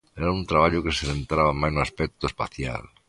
Era un traballo que se centraba máis no aspecto espacial.